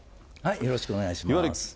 よろしくお願いします。